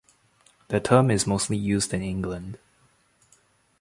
The term is mostly used in England.